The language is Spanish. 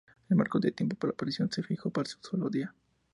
El marco de tiempo para la operación se fijó para un solo día.